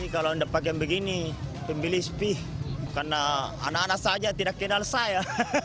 kalau anda pakai begini pembeli spih karena anak anak saja tidak kenal saya